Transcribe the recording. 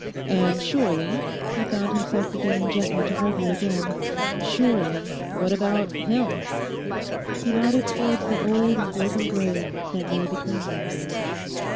'And, surely,' he found himself beginning gently to argue again, 'surely, what about, say, him?' He nodded towards the old and broken grave that lay between them.